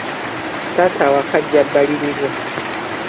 Taata awaka ajja bbalirirwe.